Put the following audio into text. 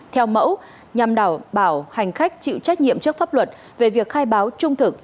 theo mẫu nhằm đảm bảo hành khách chịu trách nhiệm trước pháp luật về việc khai báo trung thực